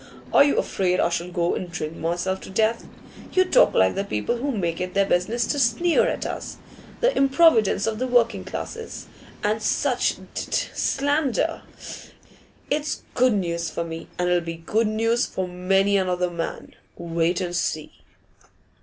Are you afraid I shall go and drink myself to death? You talk like the people who make it their business to sneer at us the improvidence of the working classes, and such d d slander. It's good news for me, and it'll be good news for many another man. Wait and see.